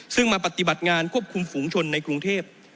ซึ่งมาปฏิบัติงานควบคุมฝูงชนในกรุงเทพ